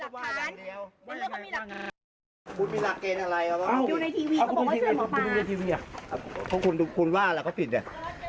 เขาบอกว่าเขาชื่อทีวีคะพรุ่งคุณว่าอะไรเขาผิดเนี่ย